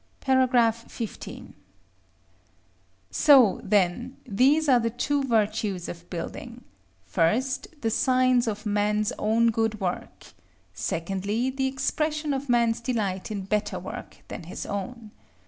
§ XV. So, then, these are the two virtues of building: first, the signs of man's own good work; secondly, the expression of man's delight in better work than his own.